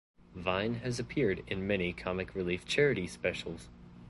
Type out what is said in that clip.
Vine has appeared in many Comic Relief charity specials.